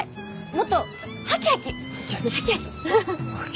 もっとハキハキ！